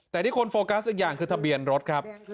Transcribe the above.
แต่ที่คนโฟกัสอีกอย่างคือทะเบียนรถครับ